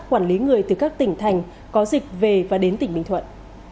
quản lý người từ các tỉnh thành có dịch về và đến tỉnh bình thuận